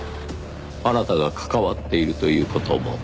あなたが関わっているという事も。